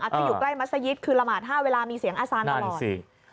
อาจจะอยู่ใกล้มัศยิตคือละหมาท่าเวลามีเสียงอาสานอร่อย